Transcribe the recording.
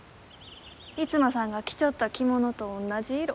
逸馬さんが着ちょった着物と同じ色。